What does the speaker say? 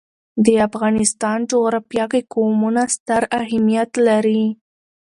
د افغانستان جغرافیه کې قومونه ستر اهمیت لري.